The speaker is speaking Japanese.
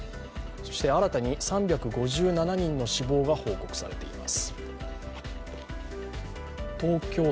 そして新たに３５７人の死亡が報告されています。